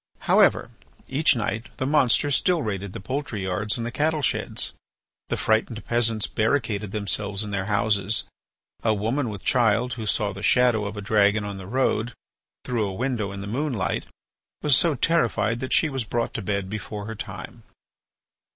However, each night the monster still raided the poultry yards and the cattle sheds. The frightened peasants barricaded themselves in their houses. A woman with child who saw the shadow of a dragon on the road through a window in the moonlight, was so terrified that she was brought to bed before her time.